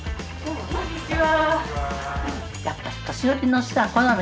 こんにちは。